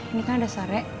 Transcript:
ini kan udah sore